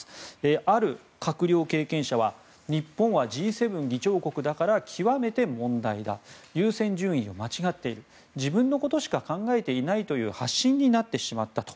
ある閣僚経験者は日本はＧ７議長国だから極めて問題だ優先順位を間違っている自分のことしか考えていないという発信になってしまったと。